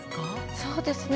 そうですね